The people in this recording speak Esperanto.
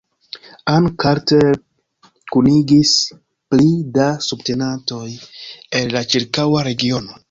Ann Carter kunigis pli da subtenantoj el la ĉirkaŭa regiono.